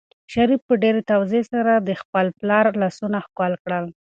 شریف په ډېرې تواضع سره د خپل پلار لاسونه ښکل کړل.